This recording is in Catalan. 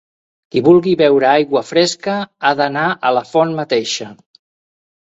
Qui vulgui beure aigua fresca ha d'anar a la font mateixa.